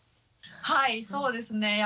はいそうですね